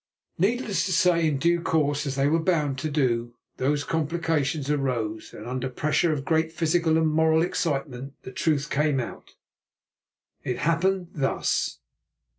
Needless to say, in due course, as they were bound to do, those complications arose, and under pressure of great physical and moral excitement the truth came out. It happened thus.